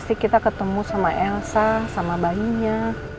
pasti kita ketemu sama elsa sama bayinya